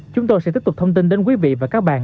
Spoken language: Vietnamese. chúng tôi sẽ tiếp tục thông tin đến quý vị và các bạn